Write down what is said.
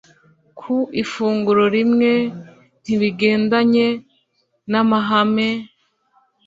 ku ifunguro rimwe ntibigendanye namahame